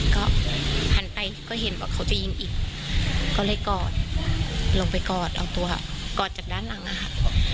ก็หันไปก็เห็นว่าเขาจะยิงอีกก็เลยกอดลงไปกอดเอาตัวกอดจากด้านหลังอะค่ะ